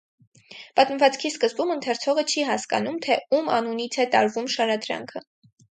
Պատմվածքի սկզբում ընթերցողը չի հասկանում, թե ում անունից է տարվում շարադրանքը։